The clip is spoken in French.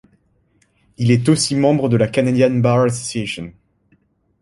Il est aussi membre de la Canadian Bar Association.